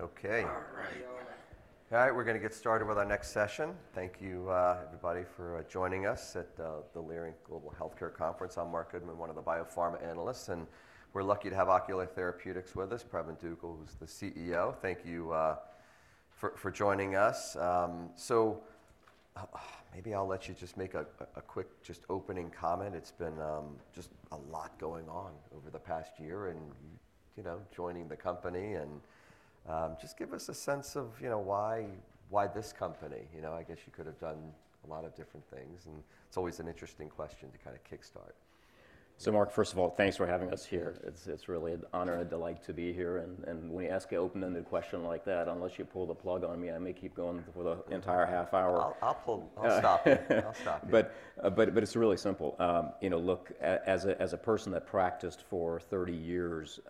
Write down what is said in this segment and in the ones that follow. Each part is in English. Okay. All right, we're going to get started with our next session. Thank you, everybody, for joining us at the Leerink Global Healthcare Conference. I'm Marc Goodman, one of the biopharma analysts, and we're lucky to have Ocular Therapeutix with us, Pravin Dugel, who's the CEO. Thank you for joining us. Maybe I'll let you just make a quick, just opening comment. It's been just a lot going on over the past year and, you know, joining the company and just give us a sense of, you know, why this company. You know, I guess you could have done a lot of different things, and it's always an interesting question to kind of kickstart. Marc, first of all, thanks for having us here. It's really an honor and a delight to be here. When you ask an open-ended question like that, unless you pull the plug on me, I may keep going for the entire half hour. I'll stop you. It's really simple. You know, look, as a person that practiced for 30 years,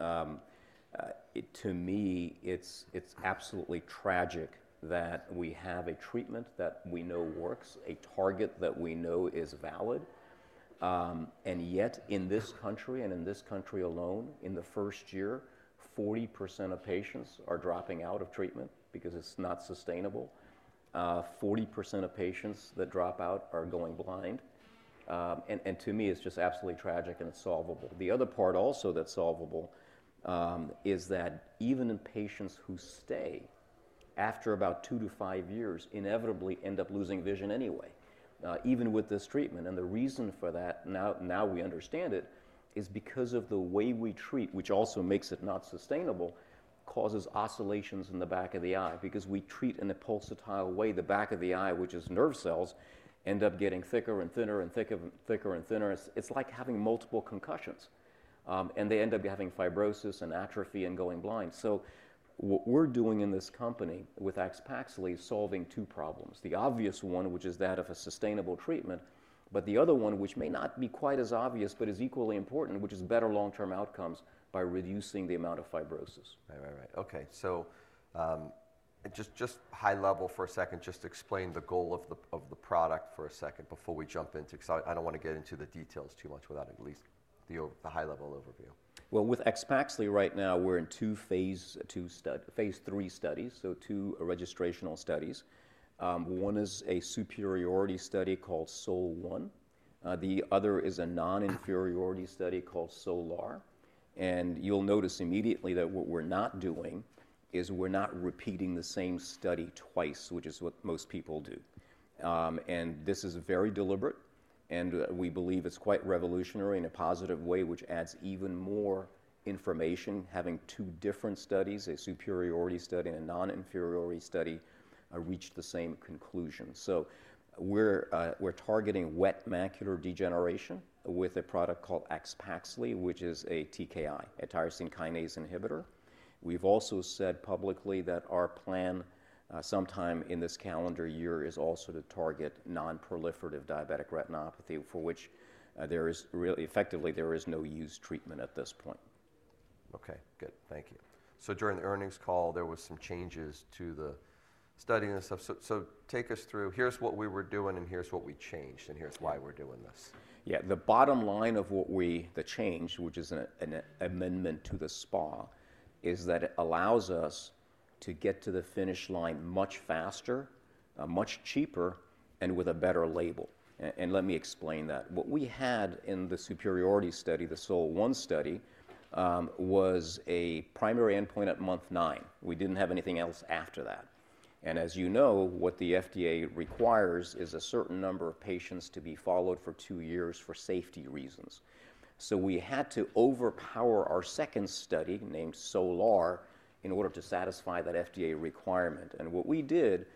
to me, it's absolutely tragic that we have a treatment that we know works, a target that we know is valid. Yet in this country, and in this country alone, in the first year, 40% of patients are dropping out of treatment because it's not sustainable. 40% of patients that drop out are going blind. To me, it's just absolutely tragic and it's solvable. The other part also that's solvable is that even in patients who stay, after about two to five years, inevitably end up losing vision anyway, even with this treatment. The reason for that, now we understand it, is because of the way we treat, which also makes it not sustainable, causes oscillations in the back of the eye. Because we treat in a pulsatile way, the back of the eye, which is nerve cells, end up getting thicker and thinner and thicker and thicker and thinner. It's like having multiple concussions, and they end up having fibrosis and atrophy and going blind. What we're doing in this company with AXPAXLI is solving two problems: the obvious one, which is that of a sustainable treatment, but the other one, which may not be quite as obvious but is equally important, which is better long-term outcomes by reducing the amount of fibrosis. Right, right, right. Okay. Just high level for a second, just to explain the goal of the product for a second before we jump into it, because I don't want to get into the details too much without at least the high-level overview. With AXPAXLI right now, we're in two phase three studies, so two registrational studies. One is a superiority study called SOL-1. The other is a non-inferiority study called SOL-R. You'll notice immediately that what we're not doing is we're not repeating the same study twice, which is what most people do. This is very deliberate, and we believe it's quite revolutionary in a positive way, which adds even more information. Having two different studies, a superiority study and a non-inferiority study, reach the same conclusion. We're targeting wet age-related macular degeneration with a product called AXPAXLI, which is a TKI, a tyrosine kinase inhibitor. We've also said publicly that our plan sometime in this calendar year is also to target non-proliferative diabetic retinopathy, for which there is really, effectively, no used treatment at this point. Okay, good. Thank you. During the earnings call, there were some changes to the study and stuff. Take us through, here's what we were doing and here's what we changed, and here's why we're doing this. Yeah, the bottom line of what we, the change, which is an amendment to the SPA, is that it allows us to get to the finish line much faster, much cheaper, and with a better label. Let me explain that. What we had in the superiority study, the SOL-1 study, was a primary endpoint at month nine. We did not have anything else after that. As you know, what the FDA requires is a certain number of patients to be followed for two years for safety reasons. We had to overpower our second study named SOL-R in order to satisfy that FDA requirement. What we did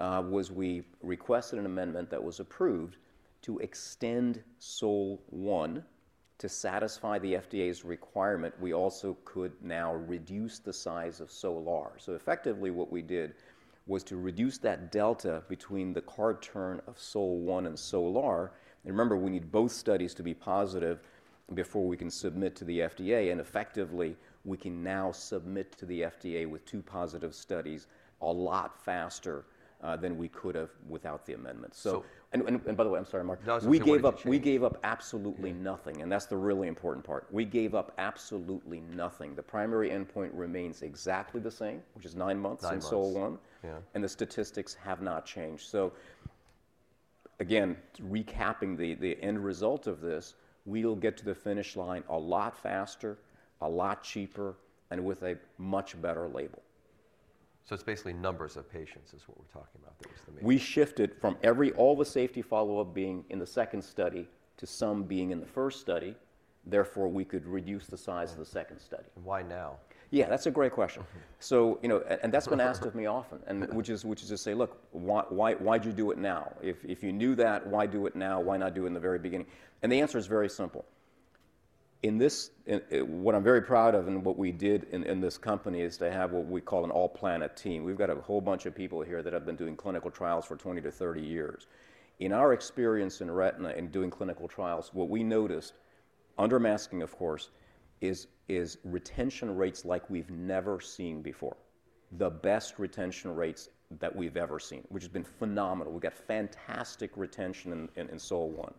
was we requested an amendment that was approved to extend SOL-1 to satisfy the FDA's requirement. We also could now reduce the size of SOL-R. Effectively, what we did was to reduce that delta between the card turn of SOL-1 and SOL-R. Remember, we need both studies to be positive before we can submit to the FDA. Effectively, we can now submit to the FDA with two positive studies a lot faster than we could have without the amendment. By the way, I'm sorry, Marc, we gave up absolutely nothing. That's the really important part. We gave up absolutely nothing. The primary endpoint remains exactly the same, which is nine months in SOL-1, and the statistics have not changed. Again, recapping the end result of this, we'll get to the finish line a lot faster, a lot cheaper, and with a much better label. It's basically numbers of patients is what we're talking about. We shifted from every, all the safety follow-up being in the second study to some being in the first study. Therefore, we could reduce the size of the second study. Why now? Yeah, that's a great question. You know, that's been asked of me often, which is to say, look, why'd you do it now? If you knew that, why do it now? Why not do it in the very beginning? The answer is very simple. In this, what I'm very proud of and what we did in this company is to have what we call an all-planet team. We've got a whole bunch of people here that have been doing clinical trials for 20-30 years. In our experience in retina and doing clinical trials, what we noticed, under masking, of course, is retention rates like we've never seen before. The best retention rates that we've ever seen, which has been phenomenal. We've got fantastic retention in SOL-1.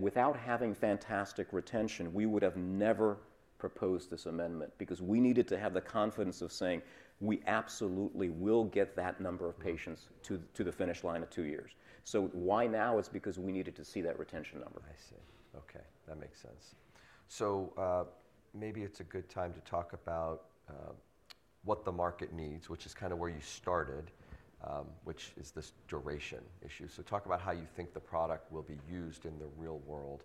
Without having fantastic retention, we would have never proposed this amendment because we needed to have the confidence of saying, we absolutely will get that number of patients to the finish line in two years. Why now is because we needed to see that retention number. I see. Okay, that makes sense. Maybe it's a good time to talk about what the market needs, which is kind of where you started, which is this duration issue. Talk about how you think the product will be used in the real world.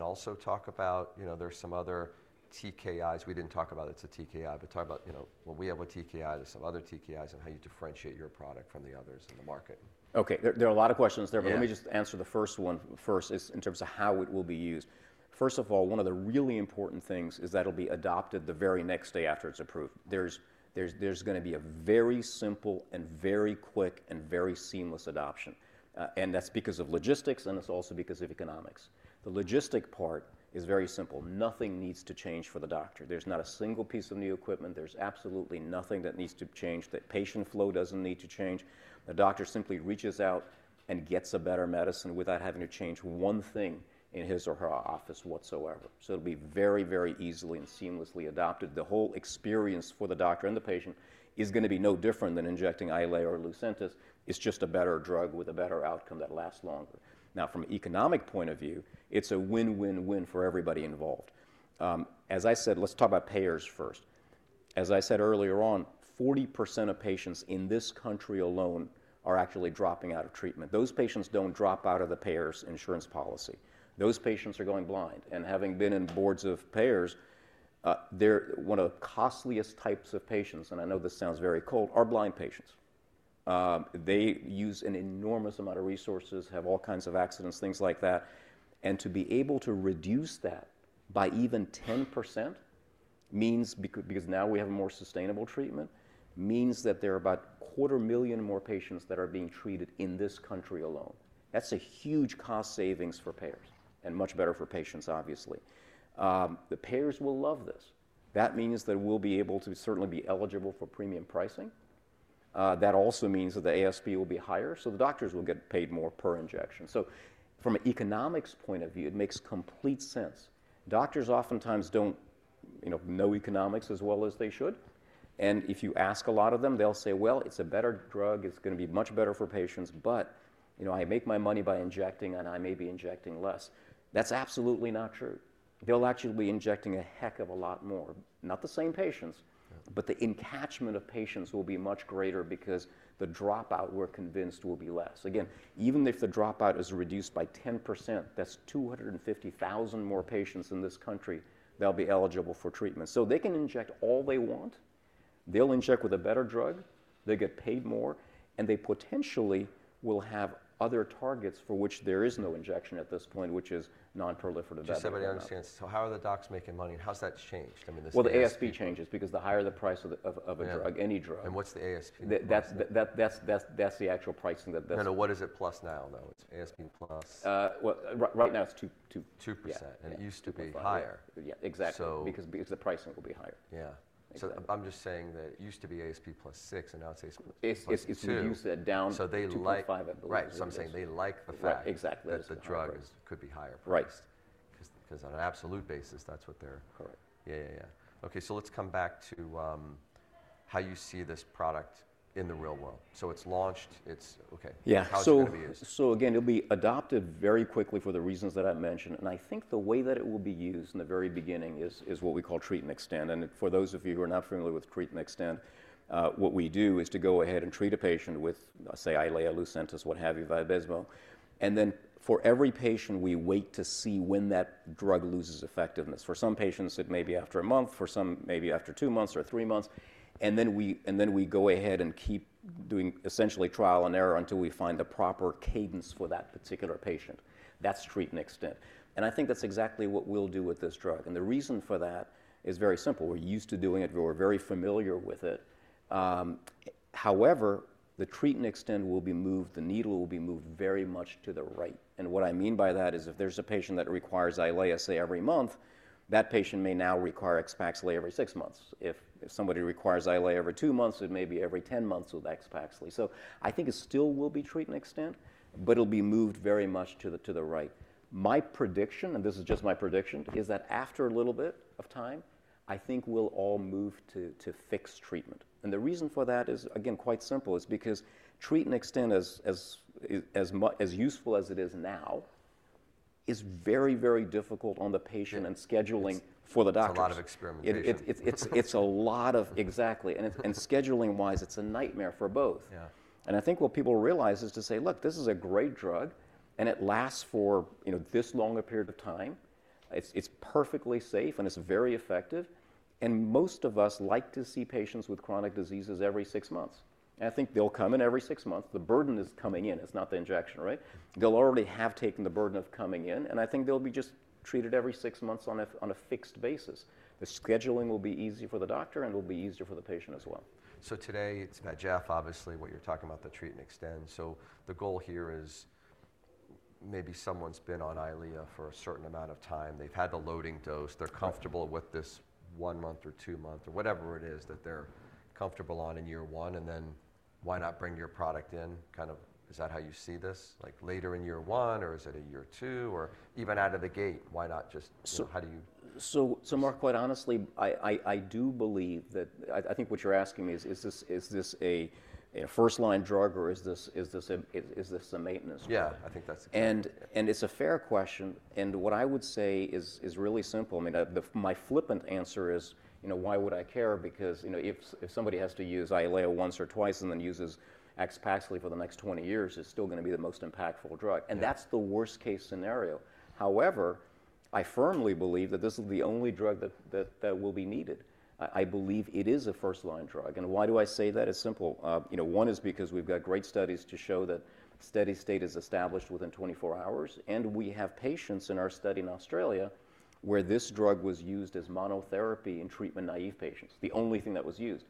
Also talk about, you know, there's some other TKIs we didn't talk about. It's a TKI, but talk about, you know, well, we have a TKI, there's some other TKIs, and how you differentiate your product from the others in the market. Okay, there are a lot of questions there, but let me just answer the first one first in terms of how it will be used. First of all, one of the really important things is that it'll be adopted the very next day after it's approved. There's going to be a very simple and very quick and very seamless adoption. That's because of logistics, and it's also because of economics. The logistic part is very simple. Nothing needs to change for the doctor. There's not a single piece of new equipment. There's absolutely nothing that needs to change. The patient flow doesn't need to change. The doctor simply reaches out and gets a better medicine without having to change one thing in his or her office whatsoever. It'll be very, very easily and seamlessly adopted. The whole experience for the doctor and the patient is going to be no different than injecting EYLEA or LUCENTIS. It's just a better drug with a better outcome that lasts longer. Now, from an economic point of view, it's a win-win-win for everybody involved. As I said, let's talk about payers first. As I said earlier on, 40% of patients in this country alone are actually dropping out of treatment. Those patients don't drop out of the payers' insurance policy. Those patients are going blind. Having been in boards of payers, they're one of the costliest types of patients. I know this sounds very cold, are blind patients. They use an enormous amount of resources, have all kinds of accidents, things like that. To be able to reduce that by even 10% means, because now we have more sustainable treatment, that there are about 250,000 more patients that are being treated in this country alone. That's a huge cost savings for payers and much better for patients, obviously. The payers will love this. That means that we'll be able to certainly be eligible for premium pricing. That also means that the ASP will be higher. The doctors will get paid more per injection. From an economics point of view, it makes complete sense. Doctors oftentimes don't know economics as well as they should. If you ask a lot of them, they'll say, you know, it's a better drug. It's going to be much better for patients. But, you know, I make my money by injecting, and I may be injecting less. That's absolutely not true. They'll actually be injecting a heck of a lot more. Not the same patients, but the attachment of patients will be much greater because the dropout, we're convinced, will be less. Again, even if the dropout is reduced by 10%, that's 250,000 more patients in this country. They'll be eligible for treatment. They can inject all they want. They'll inject with a better drug. They get paid more. They potentially will have other targets for which there is no injection at this point, which is non-proliferative diabetic retinopathy. Just so everybody understands, how are the docs making money? And how's that changed? I mean. The ASP changes because the higher the price of a drug, any drug. What is the ASP? That's the actual pricing. No, no, what is it plus now, though? It's ASP plus. Right now it's 2%. 2%. It used to be higher. Yeah, exactly. Because the pricing will be higher. Yeah. I'm just saying that it used to be ASP plus 6, and now it's ASP plus. It's used down to 2.5, I believe. Right. I'm saying they like the fact that the drug could be higher priced. Because on an absolute basis, that's what they're. Correct. Yeah, yeah, yeah. Okay, let's come back to how you see this product in the real world. It's launched. It's okay. Yeah. How's it going to be used? It'll be adopted very quickly for the reasons that I've mentioned. I think the way that it will be used in the very beginning is what we call treat and extend. For those of you who are not familiar with treat and extend, what we do is to go ahead and treat a patient with, say, EYLEA, LUCENTIS, what have you, VABYSMO. For every patient, we wait to see when that drug loses effectiveness. For some patients, it may be after a month. For some, maybe after two months or three months. We go ahead and keep doing essentially trial and error until we find the proper cadence for that particular patient. That's treat and extend. I think that's exactly what we'll do with this drug. The reason for that is very simple. We're used to doing it. We're very familiar with it. However, the treat and extend will be moved. The needle will be moved very much to the right. What I mean by that is if there's a patient that requires EYLEA, say, every month, that patient may now require AXPAXLI every six months. If somebody requires EYLEA every two months, it may be every 10 months with AXPAXLI. I think it still will be treat and extend, but it'll be moved very much to the right. My prediction, and this is just my prediction, is that after a little bit of time, I think we'll all move to fixed treatment. The reason for that is, again, quite simple. It's because treat and extend, as useful as it is now, is very, very difficult on the patient and scheduling for the doctor. It's a lot of experimentation. It's a lot of, exactly. Scheduling-wise, it's a nightmare for both. I think what people realize is to say, look, this is a great drug, and it lasts for this long a period of time. It's perfectly safe, and it's very effective. Most of us like to see patients with chronic diseases every six months. I think they'll come in every six months. The burden is coming in. It's not the injection, right? They'll already have taken the burden of coming in. I think they'll be just treated every six months on a fixed basis. The scheduling will be easier for the doctor, and it'll be easier for the patient as well. Today, not just, obviously, what you're talking about, the treat and extend. The goal here is maybe someone's been on EYLEA for a certain amount of time. They've had the loading dose. They're comfortable with this one month or two months or whatever it is that they're comfortable on in year one. Then why not bring your product in? Kind of, is that how you see this? Like later in year one, or is it year two, or even out of the gate? Why not just, how do you? Marc, quite honestly, I do believe that, I think what you're asking me is, is this a first-line drug, or is this a maintenance drug? Yeah, I think that's the question. It's a fair question. What I would say is really simple. I mean, my flippant answer is, you know, why would I care? Because if somebody has to use EYLEA once or twice and then uses AXPAXLI for the next 20 years, it's still going to be the most impactful drug. That's the worst-case scenario. However, I firmly believe that this is the only drug that will be needed. I believe it is a first-line drug. Why do I say that? It's simple. You know, one is because we've got great studies to show that steady state is established within 24 hours. We have patients in our study in Australia where this drug was used as monotherapy in treatment-naive patients. The only thing that was used.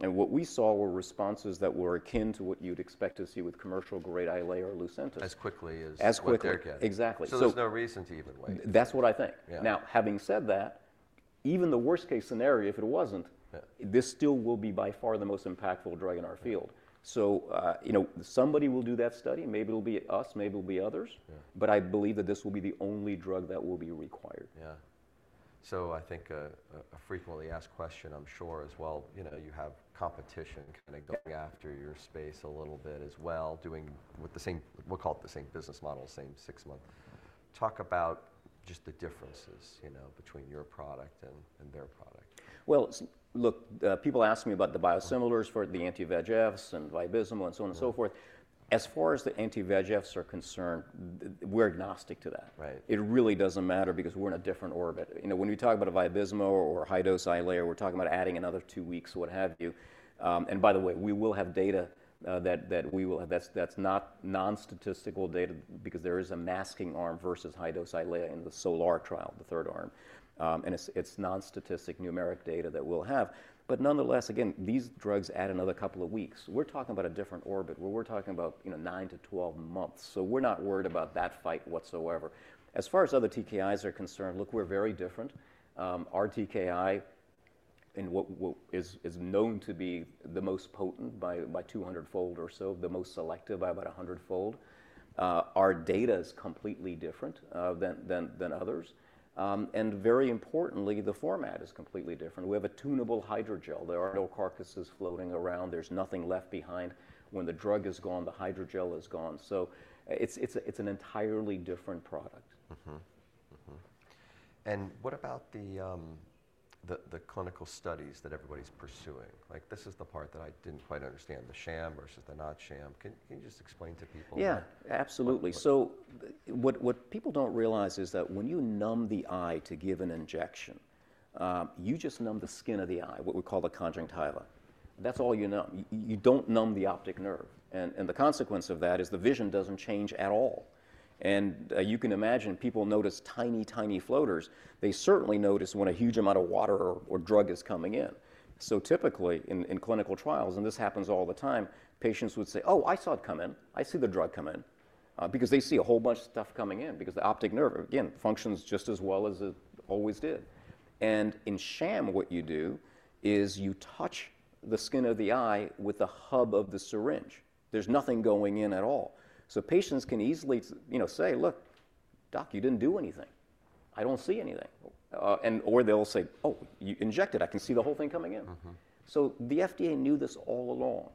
What we saw were responses that were akin to what you'd expect to see with commercial-grade EYLEA or LUCENTIS. As quickly as- As quickly. What they're getting. Exactly. There's no reason to even wait. That's what I think. Now, having said that, even the worst-case scenario, if it wasn't, this still will be by far the most impactful drug in our field. You know, somebody will do that study. Maybe it'll be us. Maybe it'll be others. I believe that this will be the only drug that will be required. Yeah. I think a frequently asked question, I'm sure as well, you know, you have competition kind of going after your space a little bit as well, doing with the same, we'll call it the same business model, same six-month. Talk about just the differences, you know, between your product and their product. Look, people ask me about the biosimilars for the anti-VEGFs and VABYSMO and so on and so forth. As far as the anti-VEGFs are concerned, we're agnostic to that. It really doesn't matter because we're in a different orbit. You know, when we talk about a VABYSMO or high-dose EYLEA, we're talking about adding another two weeks, what have you. By the way, we will have data that we will have, that's not non-statistical data because there is a masking arm versus high-dose EYLEA in the SOL-R trial, the third arm. It's non-statistic numeric data that we'll have. Nonetheless, again, these drugs add another couple of weeks. We're talking about a different orbit where we're talking about, you know, 9-12 months. We're not worried about that fight whatsoever. As far as other TKIs are concerned, look, we're very different. Our TKI, in what is known to be the most potent by 200-fold or so, the most selective by about 100-fold. Our data is completely different than others. And very importantly, the format is completely different. We have a tunable hydrogel. There are no carcasses floating around. There's nothing left behind. When the drug is gone, the hydrogel is gone. It is an entirely different product. What about the clinical studies that everybody's pursuing? Like, this is the part that I didn't quite understand, the sham versus the not sham. Can you just explain to people? Yeah, absolutely. What people don't realize is that when you numb the eye to give an injection, you just numb the skin of the eye, what we call the conjunctiva. That's all you numb. You don't numb the optic nerve. The consequence of that is the vision doesn't change at all. You can imagine people notice tiny, tiny floaters. They certainly notice when a huge amount of water or drug is coming in. Typically in clinical trials, and this happens all the time, patients would say, "Oh, I saw it come in. I see the drug come in." They see a whole bunch of stuff coming in because the optic nerve, again, functions just as well as it always did. In sham, what you do is you touch the skin of the eye with the hub of the syringe. There's nothing going in at all. Patients can easily, you know, say, "Look, doc, you didn't do anything. I don't see anything." Or they'll say, "Oh, you injected. I can see the whole thing coming in." The FDA knew this all along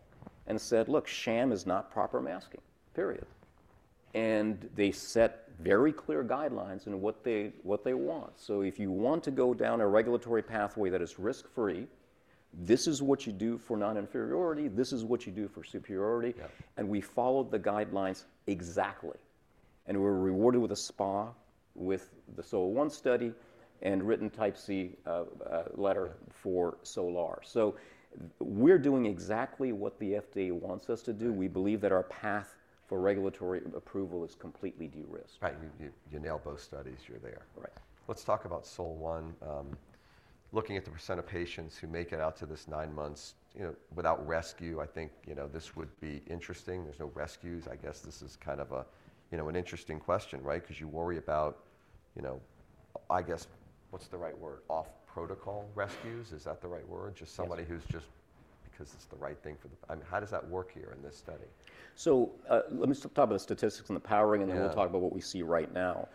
and said, "Look, sham is not proper masking." Period. They set very clear guidelines in what they want. If you want to go down a regulatory pathway that is risk-free, this is what you do for non-inferiority. This is what you do for superiority. We followed the guidelines exactly. We were rewarded with a SPA with the SOL-1 study and written Type C letter for SOL-R. We're doing exactly what the FDA wants us to do. We believe that our path for regulatory approval is completely de-risked. Right. You nailed both studies. You're there. Right. Let's talk about SOL-1. Looking at the percent of patients who make it out to this nine months, you know, without rescue, I think, you know, this would be interesting. There's no rescues. I guess this is kind of a, you know, an interesting question, right? Because you worry about, you know, I guess, what's the right word? Off-protocol rescues? Is that the right word? Just somebody who's just because it's the right thing for the, I mean, how does that work here in this study? Let me talk about the statistics and the powering, and then we'll talk about what we see right now.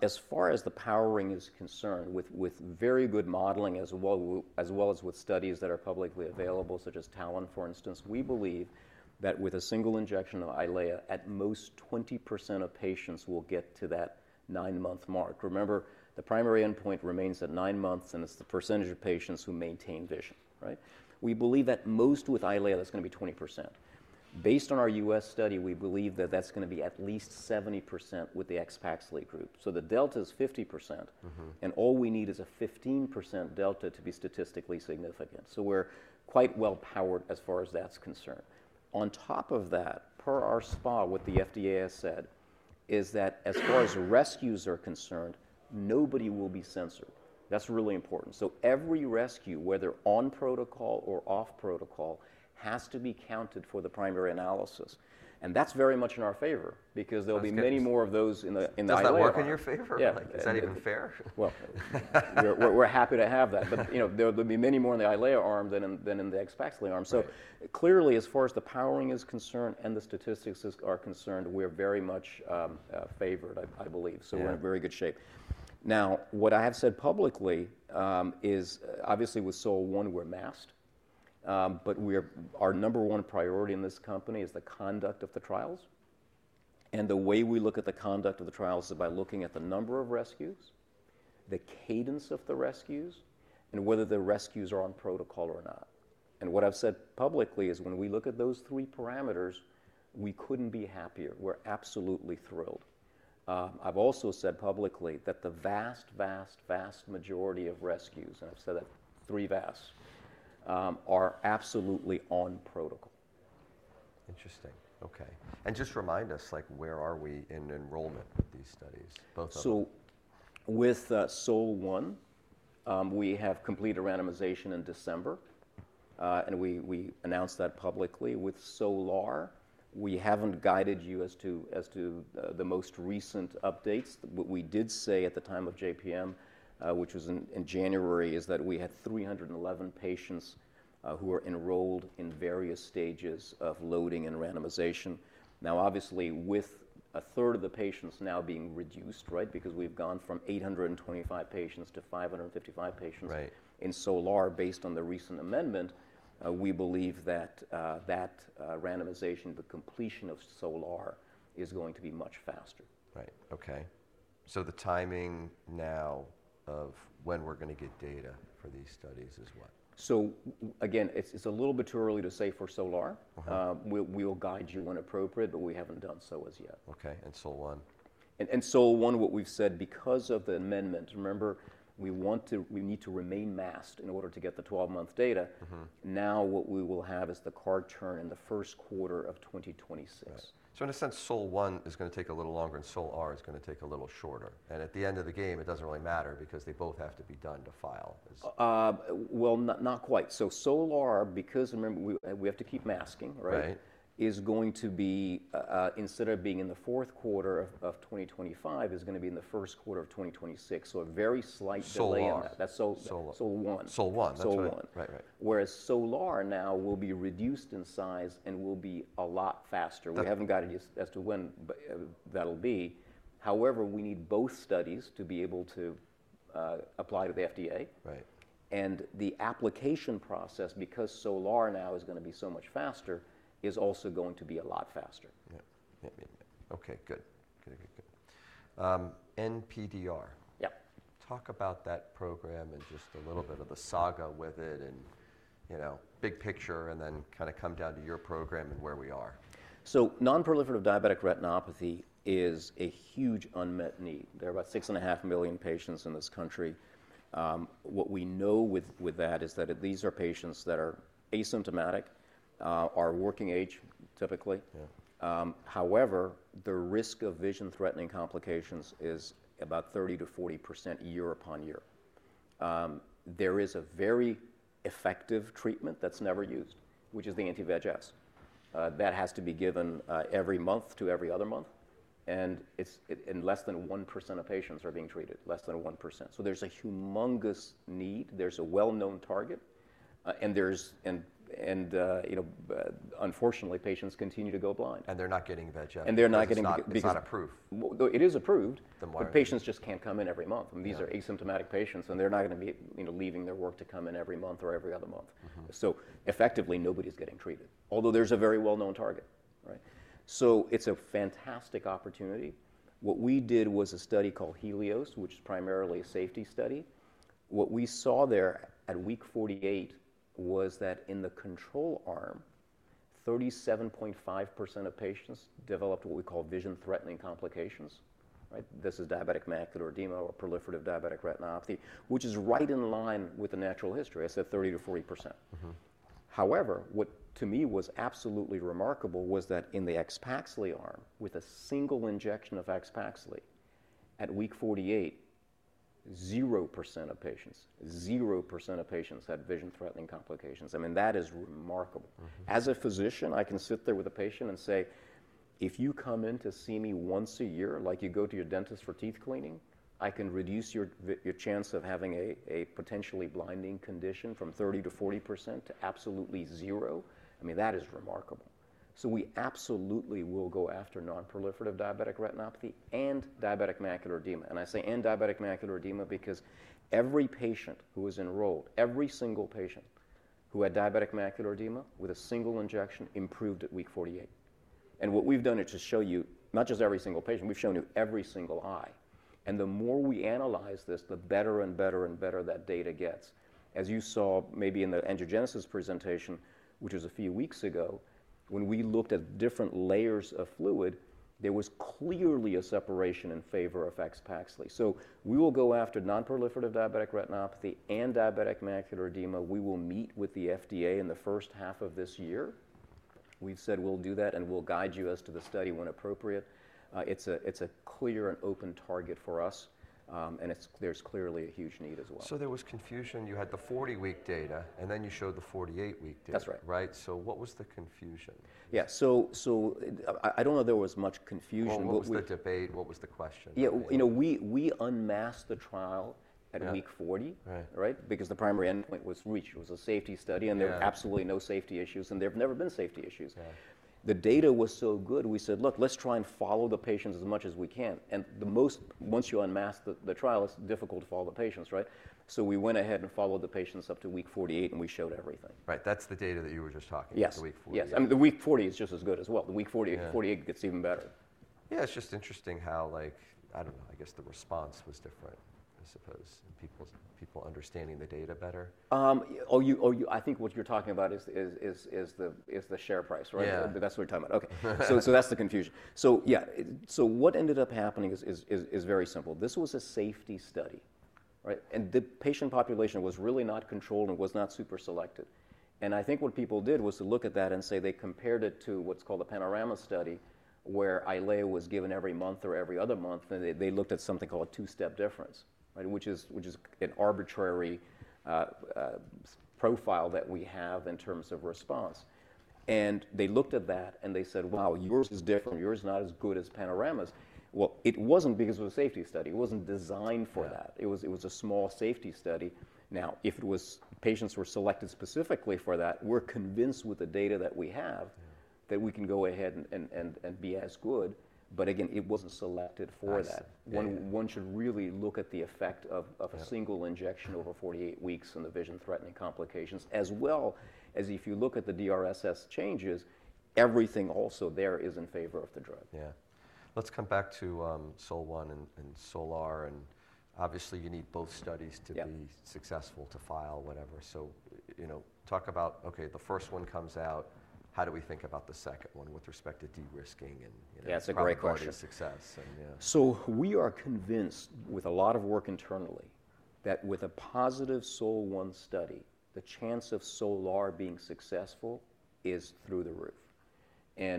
As far as the powering is concerned, with very good modeling as well as with studies that are publicly available, such as TALON, for instance, we believe that with a single injection of EYLEA, at most 20% of patients will get to that nine-month mark. Remember, the primary endpoint remains at nine months, and it's the percentage of patients who maintain vision, right? We believe that most with EYLEA, that's going to be 20%. Based on our U.S. study, we believe that that's going to be at least 70% with the AXPAXLI group. So the delta is 50%. And all we need is a 15% delta to be statistically significant. So we're quite well-powered as far as that's concerned. On top of that, per our SPA, what the FDA has said is that as far as rescues are concerned, nobody will be censored. That's really important. Every rescue, whether on protocol or off protocol, has to be counted for the primary analysis. That is very much in our favor because there will be many more of those in the EYLEA arm. Does that work in your favor? Yeah. Is that even fair? We're happy to have that. You know, there'll be many more in the EYLEA arm than in the AXPAXLI arm. Clearly, as far as the powering is concerned and the statistics are concerned, we're very much favored, I believe. We're in very good shape. What I have said publicly is, obviously, with SOL-1, we're masked. Our number one priority in this company is the conduct of the trials. The way we look at the conduct of the trials is by looking at the number of rescues, the cadence of the rescues, and whether the rescues are on protocol or not. What I've said publicly is when we look at those three parameters, we couldn't be happier. We're absolutely thrilled. I've also said publicly that the vast, vast, vast majority of rescues, and I've said that three vasts, are absolutely on protocol. Interesting. Okay. Just remind us, like, where are we in enrollment with these studies, both of them? With SOL-1, we have completed randomization in December. We announced that publicly. With SOL-R, we have not guided you as to the most recent updates. What we did say at the time of JPM, which was in January, is that we had 311 patients who were enrolled in various stages of loading and randomization. Now, obviously, with a third of the patients now being reduced, right, because we have gone from 825 patients to 555 patients in SOL-R based on the recent amendment, we believe that that randomization, the completion of SOL-R, is going to be much faster. Right. Okay. The timing now of when we're going to get data for these studies is what? Again, it's a little bit too early to say for SOL-R. We'll guide you when appropriate, but we haven't done so as yet. Okay. And SOL-1? SOL-1, what we've said, because of the amendment, remember, we need to remain masked in order to get the 12-month data. Now what we will have is the card turn in the first quarter of 2026. In a sense, SOL-1 is going to take a little longer and SOL-R is going to take a little shorter. At the end of the game, it does not really matter because they both have to be done to file. Not quite. SOL-R, because remember, we have to keep masking, right, is going to be, instead of being in the fourth quarter of 2025, in the first quarter of 2026. A very slight delay. SOL-1. That's SOL-1. SOL-1. SOL-1. Right, right. Whereas SOL-R now will be reduced in size and will be a lot faster. We haven't got it as to when that'll be. However, we need both studies to be able to apply to the FDA. The application process, because SOL-R now is going to be so much faster, is also going to be a lot faster. Yeah. Okay. Good. Good, good, good. NPDR. Yep. Talk about that program and just a little bit of the saga with it and, you know, big picture, and then kind of come down to your program and where we are. Non-proliferative diabetic retinopathy is a huge unmet need. There are about 6.5 million patients in this country. What we know with that is that these are patients that are asymptomatic, are working age typically. However, the risk of vision-threatening complications is about 30%-40% year upon year. There is a very effective treatment that's never used, which is the anti-VEGF. That has to be given every month to every other month. Less than 1% of patients are being treated, less than 1%. There is a humongous need. There is a well-known target. And, you know, unfortunately, patients continue to go blind. They're not getting VEGF because it's not approved. It is approved. Then why? Patients just can't come in every month. I mean, these are asymptomatic patients, and they're not going to be, you know, leaving their work to come in every month or every other month. Effectively, nobody's getting treated, although there's a very well-known target, right? It's a fantastic opportunity. What we did was a study called HELIOS, which is primarily a safety study. What we saw there at week 48 was that in the control arm, 37.5% of patients developed what we call vision-threatening complications, right? This is diabetic macular edema or proliferative diabetic retinopathy, which is right in line with the natural history. I said 30%-40%. However, what to me was absolutely remarkable was that in the AXPAXLI arm, with a single injection of AXPAXLI at week 48, 0% of patients, 0% of patients had vision-threatening complications. I mean, that is remarkable. As a physician, I can sit there with a patient and say, "If you come in to see me once a year, like you go to your dentist for teeth cleaning, I can reduce your chance of having a potentially blinding condition from 30%-40% to absolutely zero." I mean, that is remarkable. We absolutely will go after non-proliferative diabetic retinopathy and diabetic macular edema. I say and diabetic macular edema because every patient who was enrolled, every single patient who had diabetic macular edema with a single injection improved at week 48. What we've done is to show you not just every single patient, we've shown you every single eye. The more we analyze this, the better and better and better that data gets. As you saw maybe in the Angiogenesis presentation, which was a few weeks ago, when we looked at different layers of fluid, there was clearly a separation in favor of AXPAXLI. We will go after non-proliferative diabetic retinopathy and diabetic macular edema. We will meet with the FDA in the first half of this year. We've said we'll do that, and we'll guide you as to the study when appropriate. It's a clear and open target for us, and there's clearly a huge need as well. There was confusion. You had the 40-week data, and then you showed the 48-week data. That's right. Right? What was the confusion? Yeah. I don't know there was much confusion. What was the debate? What was the question? Yeah. You know, we unmasked the trial at week 40, right? Because the primary endpoint was reached. It was a safety study, and there were absolutely no safety issues, and there've never been safety issues. The data was so good, we said, "Look, let's try and follow the patients as much as we can." The most, once you unmask the trial, it's difficult to follow the patients, right? We went ahead and followed the patients up to week 48, and we showed everything. Right. That's the data that you were just talking about. Yes. The week 48. Yes. I mean, the week 40 is just as good as well. The week 48 gets even better. Yeah. It's just interesting how, like, I don't know, I guess the response was different, I suppose, in people understanding the data better. Oh, I think what you're talking about is the share price, right? Yeah. That's what you're talking about. Okay. That's the confusion. Yeah. What ended up happening is very simple. This was a safety study, right? The patient population was really not controlled and was not super selected. I think what people did was to look at that and say they compared it to what's called a PANORAMA study where EYLEA was given every month or every other month, and they looked at something called a two-step difference, right, which is an arbitrary profile that we have in terms of response. They looked at that and they said, "Wow, yours is different. Yours is not as good as PANORAMA's." It wasn't because of a safety study. It wasn't designed for that. It was a small safety study. Now, if patients were selected specifically for that, we're convinced with the data that we have that we can go ahead and be as good. Again, it wasn't selected for that. One should really look at the effect of a single injection over 48 weeks and the vision-threatening complications, as well as if you look at the DRSS changes, everything also there is in favor of the drug. Yeah. Let's come back to SOL-1 and SOL-R. Obviously, you need both studies to be successful to file whatever. You know, talk about, okay, the first one comes out, how do we think about the second one with respect to de-risking. Yeah, that's a great question. How far is the success? Yeah. We are convinced with a lot of work internally that with a positive SOL-1 study, the chance of SOL-R being successful is through the roof.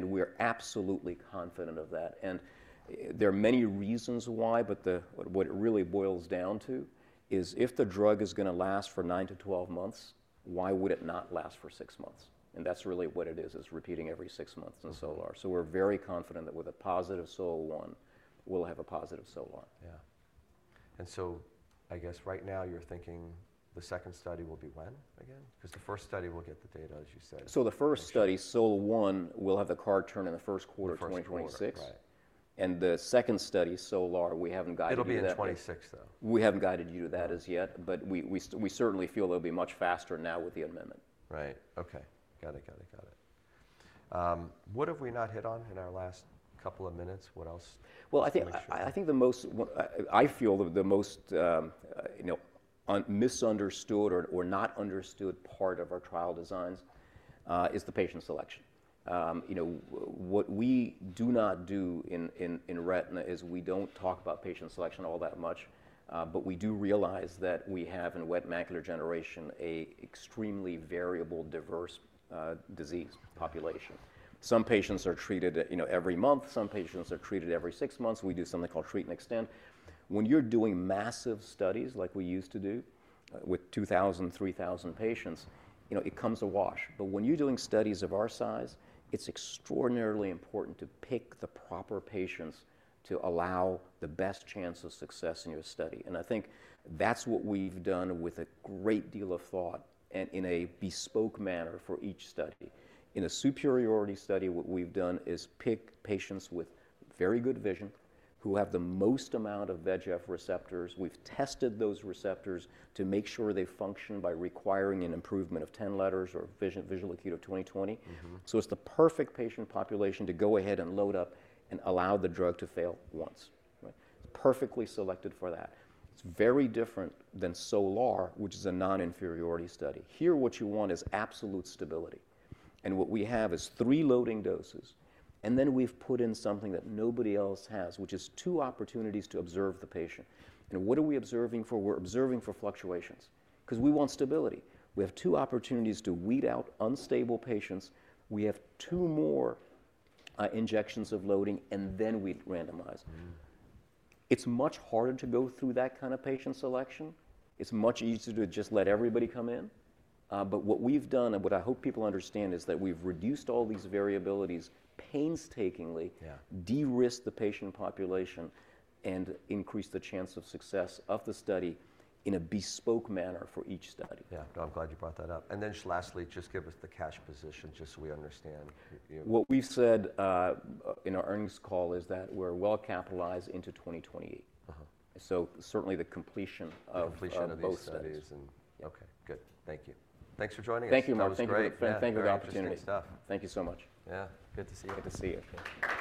We are absolutely confident of that. There are many reasons why, but what it really boils down to is if the drug is going to last for 9 to 12 months, why would it not last for 6 months? That is really what it is, is repeating every 6 months in SOL-R. We are very confident that with a positive SOL-1, we will have a positive SOL-R. Yeah. I guess right now you're thinking the second study will be when again? Because the first study will get the data, as you said. The first study, SOL-1, will have the card turn in the first quarter of 2026. The first quarter, right. The second study, SOL-R, we haven't guided you to. It'll be in 2026, though. We haven't guided you to that as yet, but we certainly feel it'll be much faster now with the amendment. Right. Okay. Got it, got it, got it. What have we not hit on in our last couple of minutes? What else? I think the most, I feel the most, you know, misunderstood or not understood part of our trial designs is the patient selection. You know, what we do not do in retina is we don't talk about patient selection all that much, but we do realize that we have in wet macular degeneration an extremely variable, diverse disease population. Some patients are treated, you know, every month. Some patients are treated every 6 months. We do something called treat and extend. When you're doing massive studies like we used to do with 2,000-3,000 patients, you know, it comes a wash. When you're doing studies of our size, it's extraordinarily important to pick the proper patients to allow the best chance of success in your study. I think that's what we've done with a great deal of thought and in a bespoke manner for each study. In a superiority study, what we've done is pick patients with very good vision who have the most amount of VEGF receptors. We've tested those receptors to make sure they function by requiring an improvement of 10 letters or visual acuity of 20/20. It's the perfect patient population to go ahead and load up and allow the drug to fail once, right? It's perfectly selected for that. It's very different than SOL-R, which is a non-inferiority study. Here, what you want is absolute stability. What we have is three loading doses, and then we've put in something that nobody else has, which is two opportunities to observe the patient. What are we observing for? We're observing for fluctuations because we want stability. We have two opportunities to weed out unstable patients. We have two more injections of loading, and then we randomize. It's much harder to go through that kind of patient selection. It's much easier to just let everybody come in. What we've done, and what I hope people understand, is that we've reduced all these variabilities painstakingly, de-risked the patient population, and increased the chance of success of the study in a bespoke manner for each study. Yeah. I'm glad you brought that up. Lastly, just give us the cash position just so we understand. What we've said in our earnings call is that we're well capitalized into 2028. Certainly the completion of both studies. The completion of these studies. Yeah. Okay. Good. Thank you. Thanks for joining us. Thank you, Marc. It's been great. Thank you for the opportunity. Fantastic stuff. Thank you so much. Yeah. Good to see you. Good to see you.